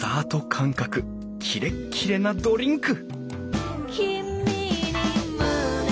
感覚キレッキレなドリンク！